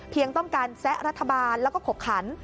ต้องการแซะรัฐบาลแล้วก็ขบขัน